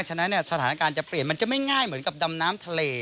ฉะนั้นสถานการณ์จะเปลี่ยนมันจะไม่ง่ายเหมือนกับดำน้ำทะเล